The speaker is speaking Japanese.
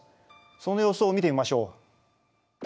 その様子を見てみましょう。